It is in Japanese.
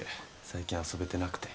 最近遊べてなくて。